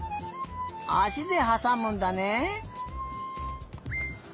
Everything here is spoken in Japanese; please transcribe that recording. あしではさむんだね。